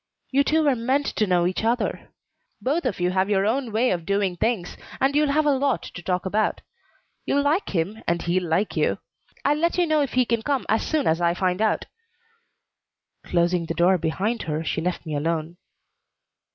"You two were meant to know each other. Both of you have your own way of doing things, and you'll have a lot to talk about. You'll like him and he'll like you. I'll let you know if he can come as soon as I find out." Closing the door behind her, she left me alone.